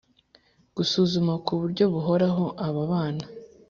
gusuzuma ku buryo buhoraho aba bana